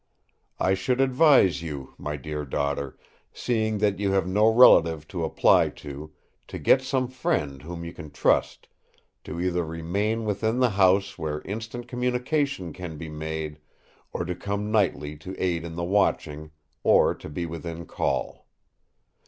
I should advise you, my dear Daughter, seeing that you have no relative to apply to, to get some friend whom you can trust to either remain within the house where instant communication can be made, or to come nightly to aid in the watching, or to be within call.